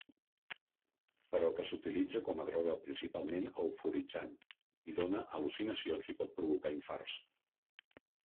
Però que s'utilitza com a droga principalment euforitzant i dóna al·lucinacions i pot provocar infarts.